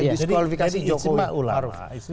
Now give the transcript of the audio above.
jadi ijma ulama